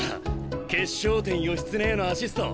決勝点義経へのアシスト。